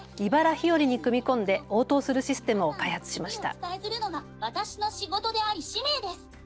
ひよりに組み込んで応答するシステムを開発しました。